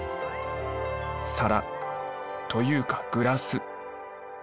皿というかグラス。